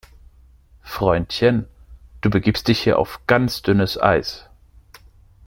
Freundchen, du begibst dich hier auf ganz dünnes Eis!